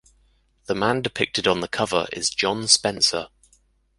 The man depicted on the cover is Jon Spencer.